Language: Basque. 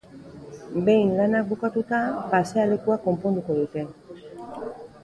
Behin lanak bukatuta, pasealekua konponduko dute.